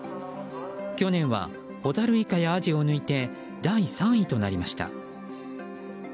去年はホタルイカやアジを抜いて第３位となりました。